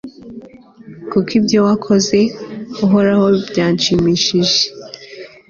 kuko ibyo wakoze, uhoraho, byanshimishije